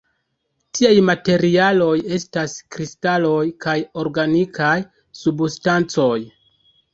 Tiaj materialoj estas kristaloj kaj organikaj substancoj.